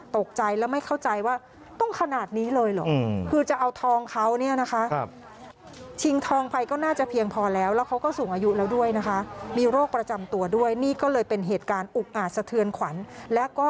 ตกใจแล้วไม่เข้าใจว่าต้องขนาดนี้เลยหรอกคือจะเอาทองเขาเนี่ยนะคะ